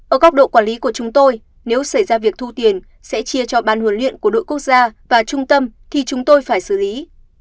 ở góc độ quản lý của chúng tôi nếu xảy ra việc thu tiền sẽ chia cho ban huấn luyện của đội quốc gia và trung tâm thì chúng tôi phải xử lý